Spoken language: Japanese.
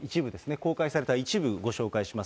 公開された一部、ご紹介します。